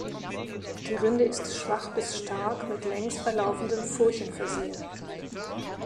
Die Rinde ist schwach bis stark mit längs verlaufenden Furchen versehen.